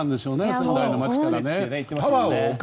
仙台の街から。